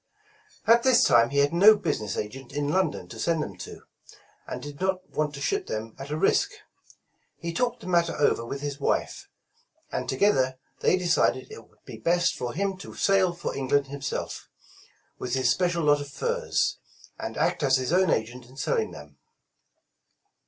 At this time he had no business agent in London to send them to, and did not want to ship them at a risk. He talked the matter over with his wife, and together they decided it would be best for him to sail for Eng land himself, with his special lot of furs, and act as his own agent in selling them.